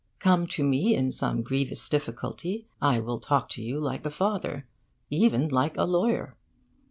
Come to me in some grievous difficulty: I will talk to you like a father, even like a lawyer.